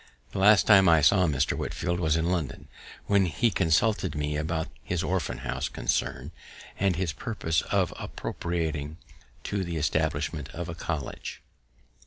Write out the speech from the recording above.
The last time I saw Mr. Whitefield was in London, when he consulted me about his Orphan House concern, and his purpose of appropriating it to the establishment of a college.